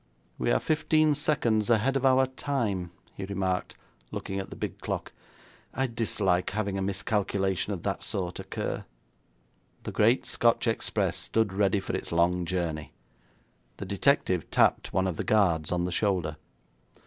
'We are fifteen seconds ahead of our time,' he remarked, looking at the big clock. 'I dislike having a miscalculation of that sort occur.' The great Scotch Express stood ready for its long journey. The detective tapped one of the guards on the shoulder.